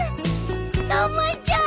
たまちゃん。